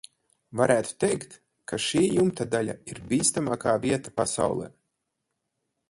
Varētu teikt, ka šī jumta daļa ir bīstamākā vieta pasaulē.